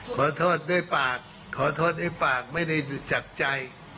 ขอโทษด้วยปากขอโทษด้วยปากไม่ได้ดูจากใจ